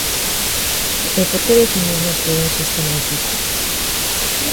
E ¿por que dicimos nós que é un sistema inxusto?